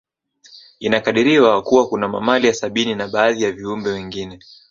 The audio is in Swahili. Inakadiriwa Kuwa kuna mamalia sabini na baadhi ya viumbe wengine